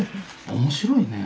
面白いね。